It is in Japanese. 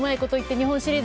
日本シリーズ